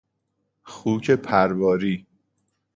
خوک پرواری